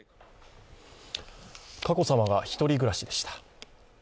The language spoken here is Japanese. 佳子さまが１人暮らしでした。